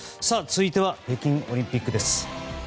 続いては北京オリンピックです。